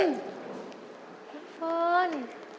คุณฟ้อน